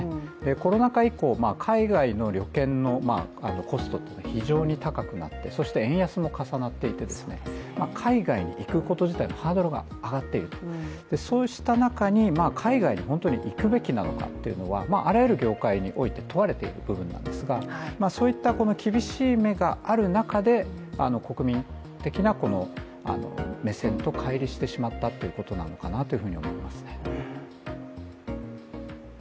コロナ禍以降、海外の旅券のコストって非常に高くなって、そして円安も重なっていてですね、海外に行くこと自体のハードルが上がっている、そうした中、海外に本当に行くべきなのかっていうことはあらゆる業界において問われている部分ではあるんですが、そういった厳しい目がある中で国民的な目線とかい離してしまったっていうことなのかなって思いますね。